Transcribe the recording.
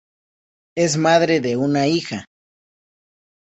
Es madre de una hija.